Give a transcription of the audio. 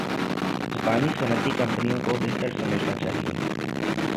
جاپانی صنعتی کمپنیوں کو بہتر سمجھنا چاہِیے